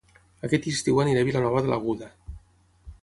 Aquest estiu aniré a Vilanova de l'Aguda